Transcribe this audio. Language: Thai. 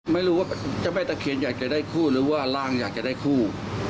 ไม่รู้ว่าเจ้าแม่ตะเคียนอยากจะได้คู่หรือว่าร่างอยากจะได้คู่